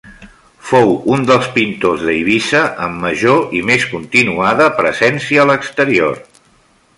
Fou un dels pintors d’Eivissa amb major i més continuada presència a l’exterior.